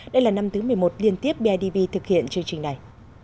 đây là năm thứ một mươi một liên tiếp bidv thực hiện chương trình này